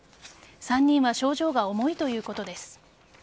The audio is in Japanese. ３人は症状が重いということです。